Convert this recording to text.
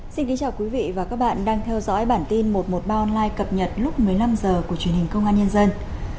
chào mừng quý vị đến với bản tin một trăm một mươi ba online cập nhật lúc một mươi năm h của truyền hình công an nhân dân